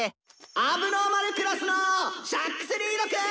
「問題児クラスのシャックス・リードくん！」。